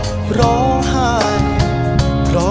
ยังเพราะความสำคัญ